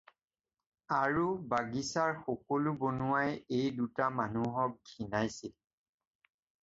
আৰু বাগিচাৰ সকলো বনুৱাই এই দুটা মানুহক ঘিণাইছিল।